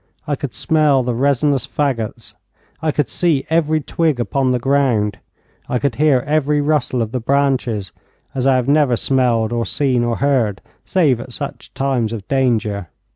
I could smell the resinous fagots, I could see every twig upon the ground, I could hear every rustle of the branches, as I have never smelled or seen or heard save at such times of danger.